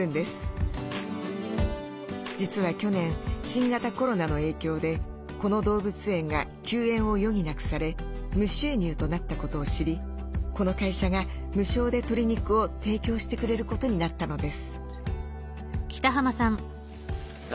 実は去年新型コロナの影響でこの動物園が休園を余儀なくされ無収入となったことを知りこの会社が無償で鶏肉を提供してくれることになったのです。